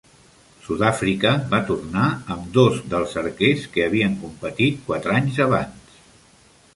Sud-àfrica va tornar amb dos dels arquers que havien competit quatre anys abans.